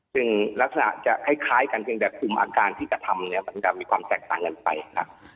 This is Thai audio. ซึ่งลักษณะจะคล้ายกันแต่ภูมิอาการศิษยธรรมนี้มันก็มีความแตกต่างกันไปค่ะ